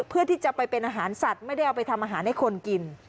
เพื่อที่จะไปเป็นอาหารสัตว์ไม่ได้เอาไปทำอาหารให้คนกิน